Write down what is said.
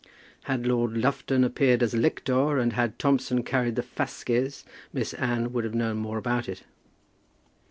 Had Lord Lufton appeared as lictor, and had Thompson carried the fasces, Miss Anne would have known more about it.